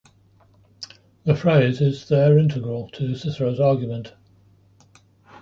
The phrase is there integral to Cicero's argument.